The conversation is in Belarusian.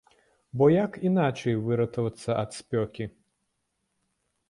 Бо як іначай выратавацца ад спёкі?